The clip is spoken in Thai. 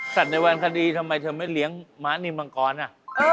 ในวันคดีทำไมเธอไม่เลี้ยงม้านิมมังกรอ่ะ